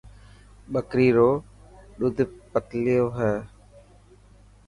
ٻڪري رو ڏوڌ پتلي هي.